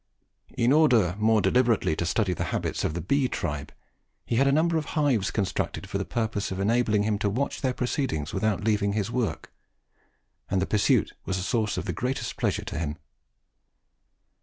In order more deliberately to study the habits of the bee tribe, he had a number of hives constructed for the purpose of enabling him to watch their proceedings without leaving his work; and the pursuit was a source of the greatest pleasure to him.